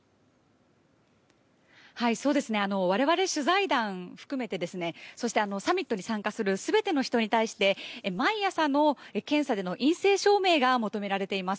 我々、取材団含めてそしてサミットに参加する全ての人に対して毎朝の検査での陰性証明が求められています。